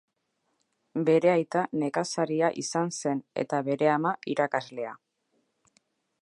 Bere aita nekazaria izan zen eta bere ama irakaslea.